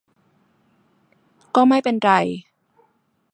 ก็ไม่เป็นไร